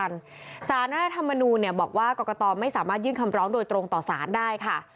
สารรัฐธรรมนูลบอกว่ากรกตไม่สามารถยื่นคำร้องโดยตรงต่อสารได้ค่ะ